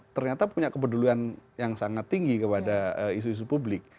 ternyata punya kepeduluan yang sangat tinggi kepada isu isu publik